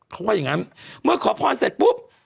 เขาว่าอย่างงั้นเมื่อขอพรเสร็จปุ๊บ